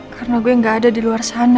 karena gue nggak ada di luar sana buat keisha